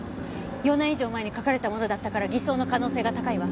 ４年以上前に書かれたものだったから偽装の可能性が高いわ。